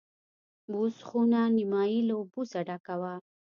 بوس خونه نیمایي له بوسو ډکه وه.